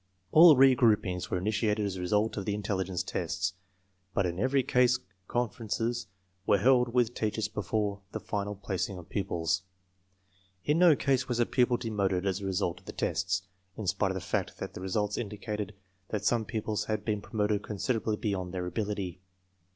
All re groupings were initiated as a result of the intelligence tests, but in every case conferences were held with teachers before the final placing of pupils. In no case was a pupil demoted as a result of the tests, in spite of the fact that the results indicated that some pupils had been promoted considerably beyond their ability.